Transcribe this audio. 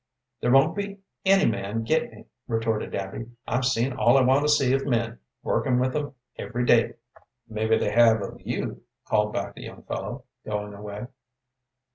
"There won't be any man get me," retorted Abby. "I've seen all I want to see of men, working with 'em every day." "Mebbe they have of you," called back the young fellow, going away.